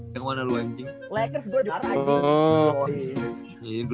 ya tapi maksud gue lu ntp udah